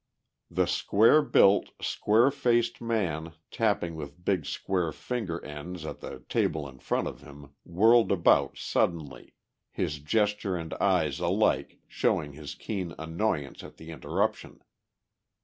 The square built, square faced man tapping with big square finger ends at the table in front of him whirled about suddenly, his gesture and eyes alike showing his keen annoyance at the interruption.